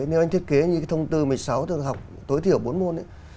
nếu anh thiết kế như cái thông tư một mươi sáu thường học tối thiểu bốn môn ấy